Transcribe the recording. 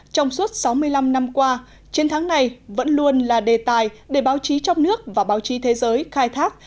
trong suốt sáu mươi năm năm qua chiến thắng này vẫn luôn là đề tài để báo chí trong nước và báo chí thế giới khai thác